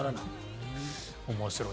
面白い。